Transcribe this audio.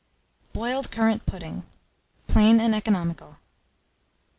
BOILED CURRANT PUDDING. (Plain and Economical.)